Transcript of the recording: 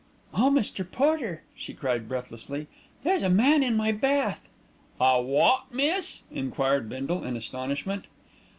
"Oh, Mr. Porter!" she cried breathlessly, "there's a man in my bath." "A wot, miss?" enquired Bindle in astonishment.